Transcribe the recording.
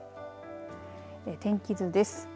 天気図です。